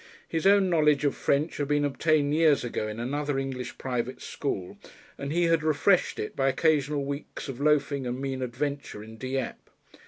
His own knowledge of French had been obtained years ago in another English private school, and he had refreshed it by occasional weeks of loafing and mean adventure in Dieppe.